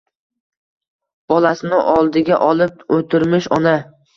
Bolasini oldiga olib o‘tirmish ona...